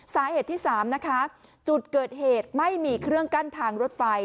สาเหตุที่๓นะคะจุดเกิดเหตุไม่มีเครื่องกั้นทางรถไฟ